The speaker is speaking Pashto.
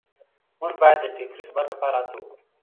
موږ بايد د فکري ثبات لپاره هڅه وکړو.